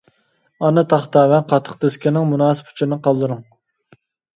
ئانا تاختا ۋە قاتتىق دىسكىنىڭ مۇناسىپ ئۇچۇرىنى قالدۇرۇڭ.